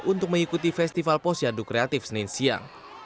untuk mengikuti festival posyandu kreatif senin siang